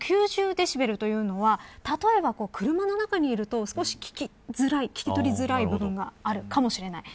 デシベルというのは例えば車の中にいると、少し聞きづらい聞き取りづらい部分があるかもしれません。